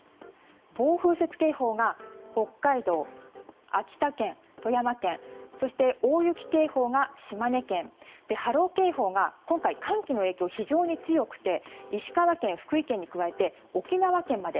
暴風雪警報が北海道秋田県、富山県そして大雪警報が島根県波浪警報が今回、寒気の影響が非常に強くて石川県、福井県に加えて沖縄県まで。